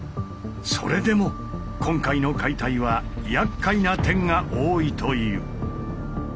それでも今回の解体はやっかいな点が多いという。